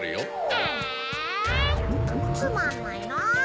えつまんないの！